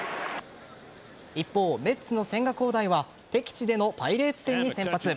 一方、メッツの千賀滉大は敵地でのパイレーツ戦に先発。